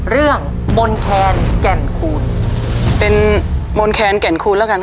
มนแคนแก่นคูณเป็นมนแคนแก่นคูณแล้วกันค่ะ